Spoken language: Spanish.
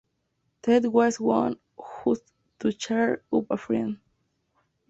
That was one just to cheer up a friend.